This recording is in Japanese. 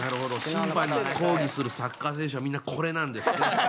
審判にこうぎするサッカー選手はみんなこれなんですね。